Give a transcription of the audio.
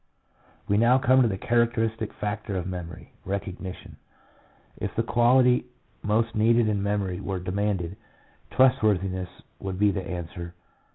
We now come to the characteristic factor of memory, recognition. If the quality most needed in memory were demanded, trustworthiness would be the answer.